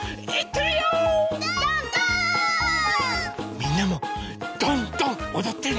みんなもドンドンおどってね！